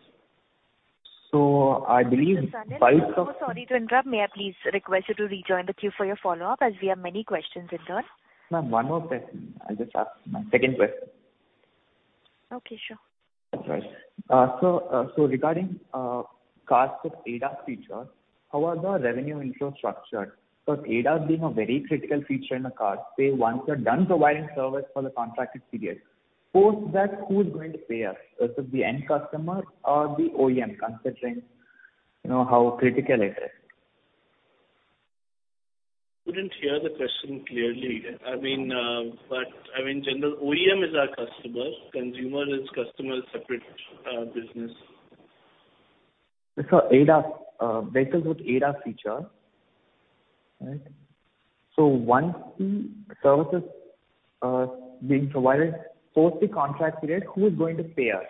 I believe. Sorry to interrupt. May I please request you to rejoin the queue for your follow-up, as we have many questions in turn? Ma'am, 1 more question. I'll just ask my second question. Okay, sure. That's right. Regarding cars with ADAS feature, how are the revenue inflow structured? ADAS being a very critical feature in a car, say, once you're done providing service for the contracted period, post that, who's going to pay us? Is it the end customer or the OEM, considering, you know, how critical it is? Couldn't hear the question clearly. I mean, but I mean, general OEM is our customer. Consumer is customer's separate business. It's for ADAS, vehicles with ADAS feature, right? Once the service is being provided, post the contract period, who is going to pay us?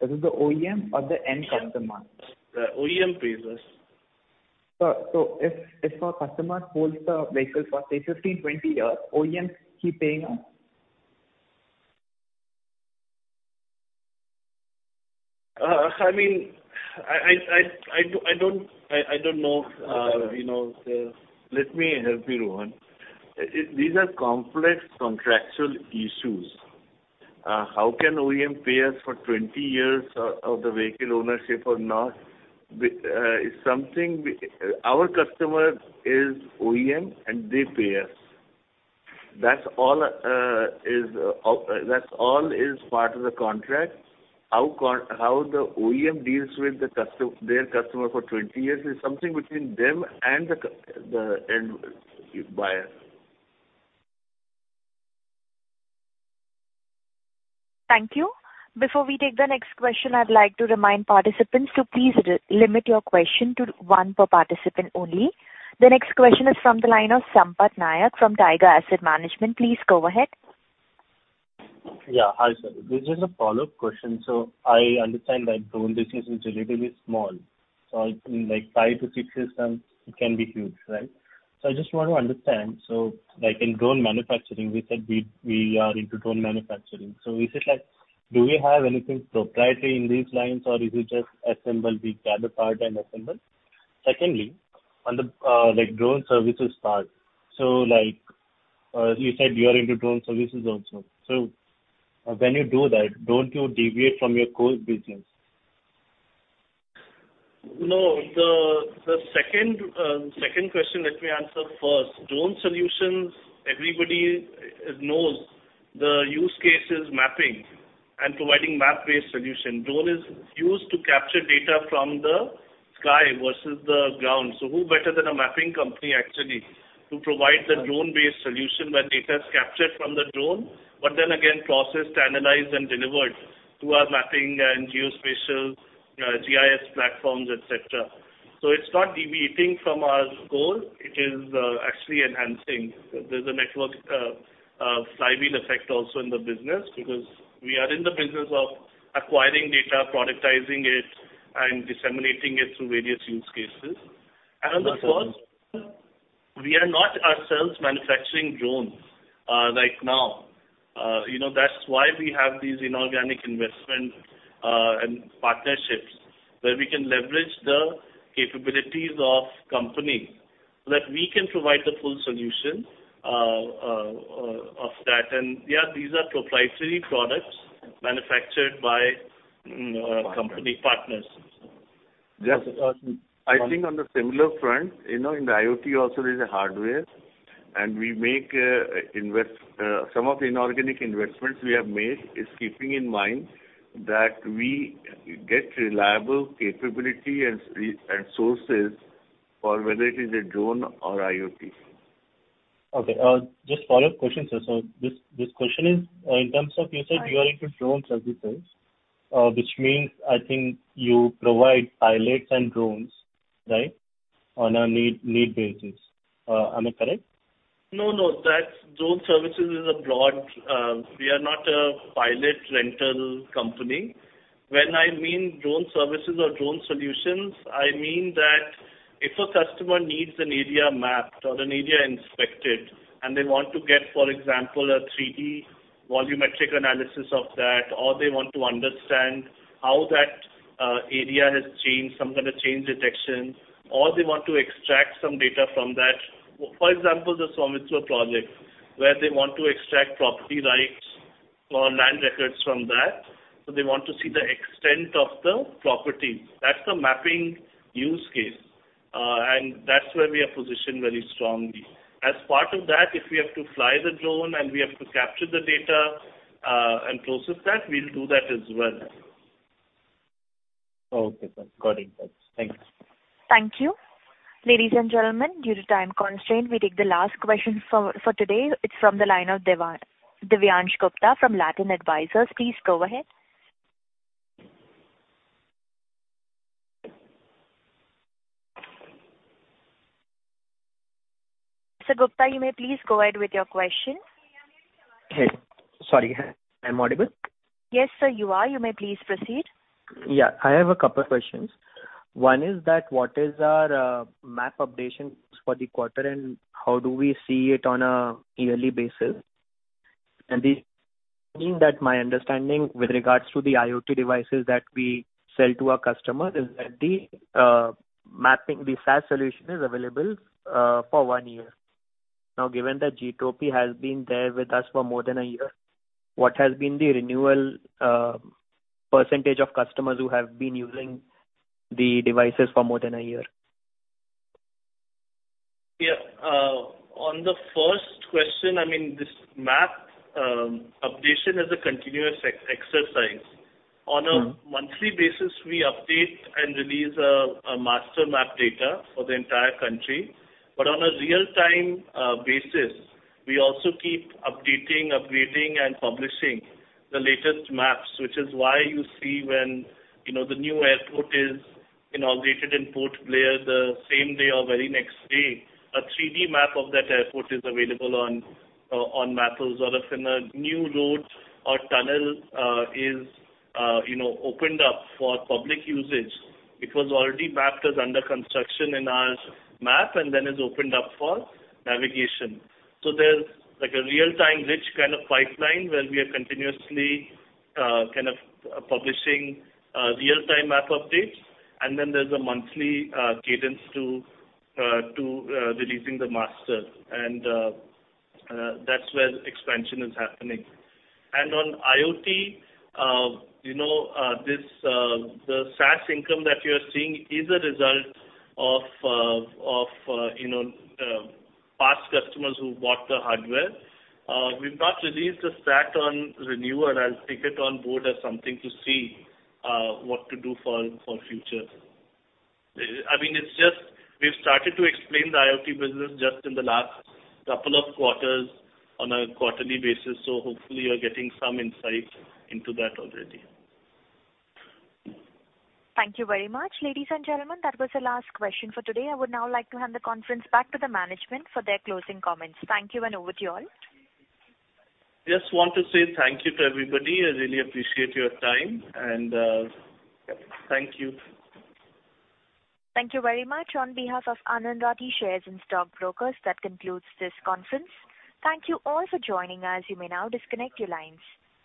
Is it the OEM or the end customer? The OEM pays us. If, if a customer holds the vehicle for, say, 15, 20 years, OEM keep paying us? I mean, I, I, I, I don't, I, I don't know, you know. Let me help you, Rohan. These are complex contractual issues. How can OEM pay us for 20 years of the vehicle ownership or not? It's something we. Our customer is OEM, and they pay us. That's all, is, that all is part of the contract. How the OEM deals with the customer, their customer for 20 years is something between them and the end buyer. Thank you. Before we take the next question, I'd like to remind participants to please limit your question to one per participant only. The next question is from the line of Sampath Nayak from Tiger Asset Management. Please go ahead. Yeah. Hi, sir. This is a follow-up question. I understand that drone business is relatively small, like 5-6 systems, it can be huge, right? I just want to understand. Like in drone manufacturing, we said we, we are into drone manufacturing. Is it like, do we have anything proprietary in these lines, or it is just assemble the gather part and assemble? Secondly, on the, like drone services part. Like, you said you are into drone services also. When you do that, don't you deviate from your core business? No, the, the second, second question, let me answer first. Drone solutions, everybody knows the use case is mapping and providing map-based solution. Drone is used to capture data from the sky versus the ground. Who better than a mapping company, actually, to provide the drone-based solution where data is captured from the drone, but then again, processed, analyzed and delivered through our mapping and geospatial GIS platforms, et cetera. It's not deviating from our goal. It is actually enhancing. There's a network flywheel effect also in the business, because we are in the business of acquiring data, productizing it, and disseminating it through various use cases. On the first, we are not ourselves manufacturing drones, like now. you know, that's why we have these inorganic investment, and partnerships, where we can leverage the capabilities of company, so that we can provide the full solution of that. Yeah, these are proprietary products manufactured by company partners. Yes. I think on the similar front, you know, in the IoT also there's a hardware, and we make, invest, some of the inorganic investments we have made is keeping in mind that we get reliable capability and sources for whether it is a drone or IoT. Okay, just follow-up question, sir. This, this question is, in terms of you said you are into drone services, which means I think you provide pilots and drones, right? On a need, need basis. Am I correct? No, no, that drone services is a broad. We are not a pilot rental company. When I mean drone services or drone solutions, I mean that if a customer needs an area mapped or an area inspected, and they want to get, for example, a 3D volumetric analysis of that, or they want to understand how that area has changed, some kind of change detection, or they want to extract some data from that. For example, the SVAMITVA project, where they want to extract property rights or land records from that, so they want to see the extent of the property. That's a mapping use case, and that's where we are positioned very strongly. As part of that, if we have to fly the drone and we have to capture the data, and process that, we'll do that as well. Okay, sir. Got it. Thanks. Thank you. Ladies and gentlemen, due to time constraint, we take the last question for today. It's from the line of Divyansh Gupta from Latent Advisors. Please go ahead. Sir Gupta, you may please go ahead with your question. Hey, sorry, I'm audible? Yes, sir, you are. You may please proceed. Yeah. I have a couple of questions. One is that what is our map updation for the quarter, and how do we see it on a yearly basis? I mean that my understanding with regards to the IoT devices that we sell to our customer is that the mapping, the SaaS solution is available for one year. Now, given that G2P has been there with us for more than 1 year, what has been the renewal % of customers who have been using the devices for more than 1 year? Yeah. On the first question, I mean, this map updation is a continuous exercise. Mm-hmm. On a monthly basis, we update and release a master map data for the entire country. On a real-time basis, we also keep updating, upgrading, and publishing the latest maps, which is why you see when, you know, the new airport is inaugurated in Port Blair, the same day or very next day, a 3D map of that airport is available on Maps. If in a new road or tunnel is, you know, opened up for public usage, it was already mapped as under construction in our map, and then is opened up for navigation. There's like a real-time rich kind of pipeline where we are continuously kind of publishing real-time map updates, and then there's a monthly cadence to releasing the master, and that's where expansion is happening. On IoT, you know, this, the SaaS income that you're seeing is a result of, of, you know, past customers who bought the hardware. We've not released a stat on renewal. I'll take it on board as something to see what to do for, for future. I mean, it's just, we've started to explain the IoT business just in the last couple of quarters on a quarterly basis, so hopefully you're getting some insights into that already. Thank you very much. Ladies and gentlemen, that was the last question for today. I would now like to hand the conference back to the management for their closing comments. Thank you, and over to you all. Just want to say thank you to everybody. I really appreciate your time, and thank you. Thank you very much. On behalf of Anand Rathi Shares and Stock Brokers, that concludes this conference. Thank you all for joining us. You may now disconnect your lines.